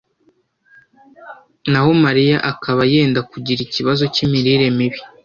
na ho mariya akaba yenda kugira ikibazo cy'imirire mibi